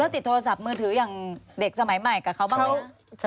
ติดโทรศัพท์มือถืออย่างเด็กสมัยใหม่กับเขาบ้างไหมคะ